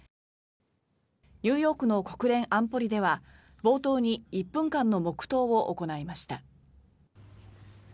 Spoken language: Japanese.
ニューヨークの国連安保理では冒頭に１分間の黙祷を行いました。